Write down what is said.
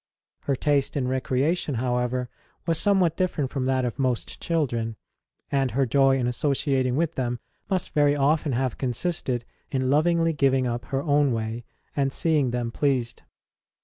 Her taste in recreation, however, was somewhat different from that of most children, and her joy in associating with them must very often have consisted in lovingly giving up her own way and seeing them pleased.